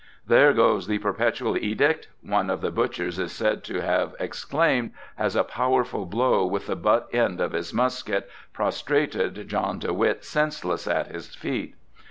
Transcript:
"There goes the Perpetual Edict!" one of the butchers is said to have exclaimed as a powerful blow with the butt end of his musket prostrated John de Witt senseless at his feet.